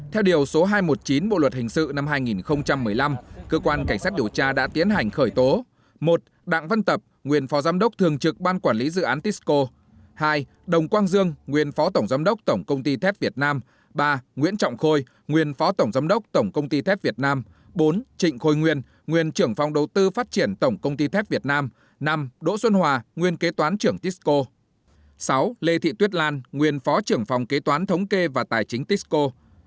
theo điều số hai trăm một mươi chín bộ luật hình sự năm hai nghìn một mươi năm cơ quan cảnh sát điều tra đã tiến hành khởi tố